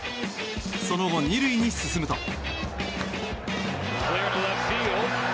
その後、２塁に進むと。